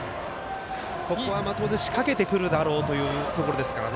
当然、仕掛けてくるだろうというところですから